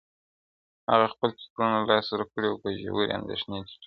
o هغې خپل فکرونه له لاسه ورکړي او په ژورې لانديښنې کي ډوبه ده,